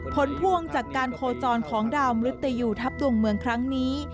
ผลพวงจากการโคจรของดาวมรุตยูทัพดวงเมืองครั้งนี้